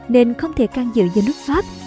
nên không thể can dự với nước pháp